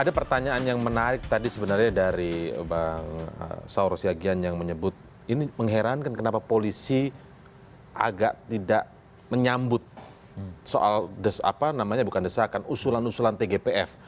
ada pertanyaan yang menarik tadi sebenarnya dari bang sauros yagian yang menyebut ini mengherankan kenapa polisi agak tidak menyambut soal des apa namanya bukan desa akan usulan usulan tgpf